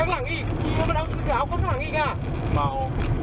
เข้าไปเอาตึกออกข้างหลังอีกอะ